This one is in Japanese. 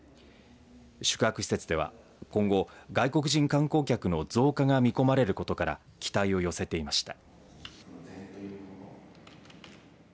宿泊施設では今後、外国人観光客の増加が見込まれることから期待を寄せていました。